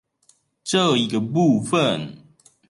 這一個部分